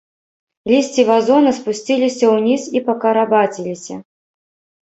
Лісці вазона спусціліся ўніз і пакарабаціліся.